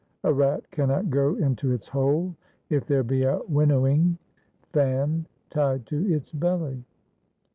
A rat cannot go into its hole if there be a winnowing fan tied to its belly.